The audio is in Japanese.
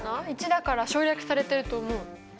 １だから省略されていると思う。